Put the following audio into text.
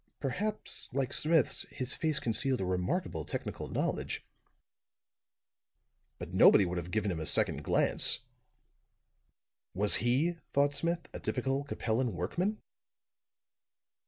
Perhaps, like Smith's, his face concealed a remarkable technical knowledge; but nobody would have given him a second glance. Was he, thought Smith, a typical Capellan workman?